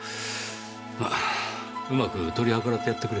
まあうまく取り計らってやってくれ。